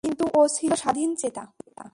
কিন্তু ও ছিল স্বাধীনচেতা।